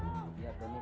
ya ini dia teman